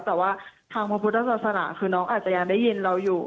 แต่ว่าทางพระพุทธศาสนาคือน้องอาจจะยังได้ยินเราอยู่